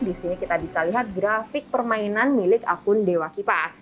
di sini kita bisa lihat grafik permainan milik akun dewa kipas